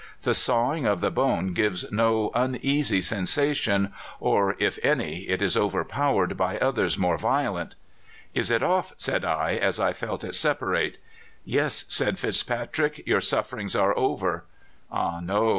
The sawing of the bone gives no uneasy sensation; or, if any, it is overpowered by others more violent. "'Is it off?' said I, as I felt it separate. "'Yes,' said FitzPatrick, 'your sufferings are over.' "'Ah no!